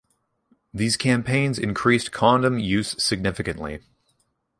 These campaigns increased condom use significantly.